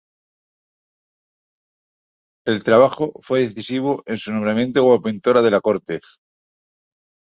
El trabajo fue decisivo en su nombramiento como pintora de la corte.